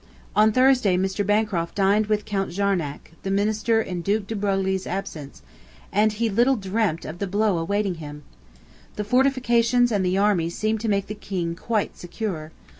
On Thursday Mr. Bancroft dined with Count Jarnac, the Minister in the Duc de Broglie's absence, and he little dreamed of the blow awaiting him. The fortifications and the army seemed to make the King quite secure.